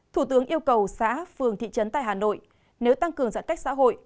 thủ tướng yêu cầu xã phường thị trấn tại hà nội nếu tăng cường giãn cách xã hội